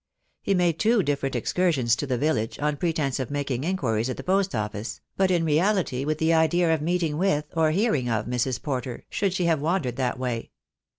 He made two different excursions to the village, on pretence of making inquiries at the Post Office, but in reality with the idea of meeting with, or 27O THE DAY WILL COME. hearing of, Mrs. Porter, should she have wandered that way.